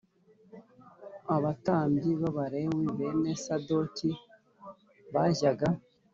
Abatambyi b abalewi bene Sadoki bajyaga